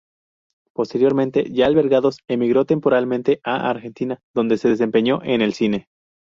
Posteriormente, ya liberados, emigró temporalmente a Argentina, donde se desempeñó en el cine.